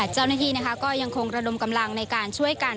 เจ้าหน้าที่ก็ยังคงระดมกำลังในการช่วยกัน